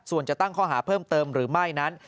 ส่วนจะตั้งข้อหาเพิ่มเติมหรือไม่นั้น